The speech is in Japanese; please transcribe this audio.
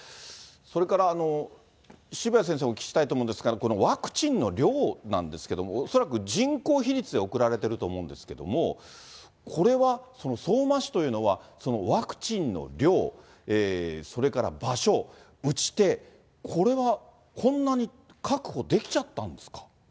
それから渋谷先生にお聞きしたいと思うんですけど、このワクチンの量なんですけれども、恐らく人口比率で送られてると思うんですけども、これは相馬市というのは、ワクチンの量、それから場所、打ち手、これはこんなに確保できちゃったんですか。